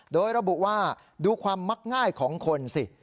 โดยระบุว่าดูความมักง่ายของคนสิ